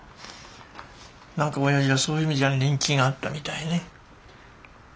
なんか親父はそういう意味じゃ人気があったみたいね。